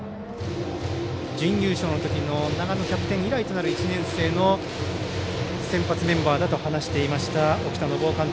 準優勝のときのキャプテン以来の１年生の先発メンバーだと話していました沖田展男監督。